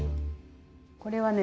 これはね